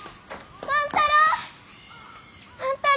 万太郎！